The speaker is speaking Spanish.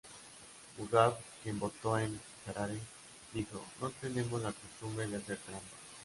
Mugabe, quien votó en Harare, dijo: "No tenemos la costumbre de hacer trampa.